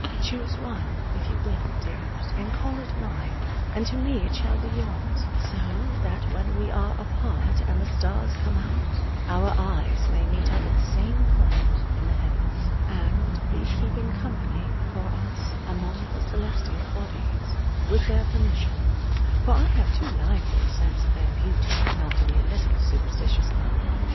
Choose one, if you will, dearest, and call it mine: and to me it shall be yours: so that when we are apart and the stars come out, our eyes may meet up at the same point in the heavens, and be "keeping company" for us among the celestial bodies with their permission: for I have too lively a sense of their beauty not to be a little superstitious about them.